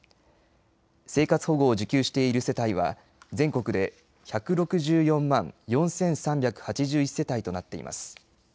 生活保護を受給している世帯は全国で１６４万４３８１世帯となっています。